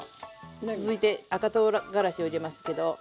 続いて赤とうがらしを入れますけど。